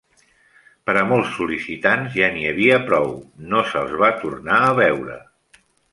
Per a molts sol·licitants ja n'hi havia prou; no se'ls va tornar a veure.